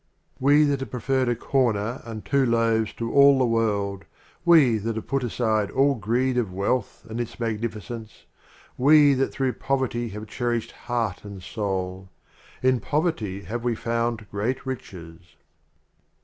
52 XI. We that have preferred a Corner and The Literal Two Loaves to all the World,— 0mar We that have put aside all Greed of Wealth and its Magnificence, — We that through Poverty have cherished Heart and Soul, — In Poverty have we found Great Riches.